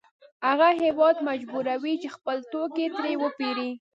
هغه هېواد مجبوروي چې خپل توکي ترې وپېري